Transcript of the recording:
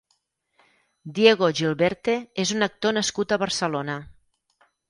Diego Gilberte és un actor nascut a Barcelona.